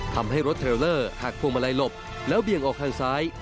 ทำให้รถเทรลเลอร์หักพวงมาลัยหลบแล้วเบี่ยงออกทางซ้าย